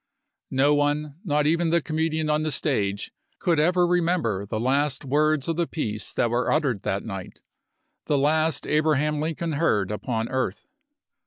No one, not even the comedian on the stage, could ever remember the last words of the piece that were uttered that night — the last Abraham THE FOURTEENTH OF APRIL 295 Lincoln heard upon earth.